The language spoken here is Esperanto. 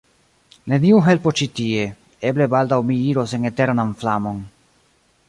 neniu helpo ĉi tie: eble baldaŭ mi iros en eternan flamon.